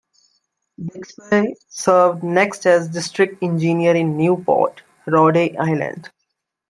Bixby served next as District Engineer in Newport, Rhode Island.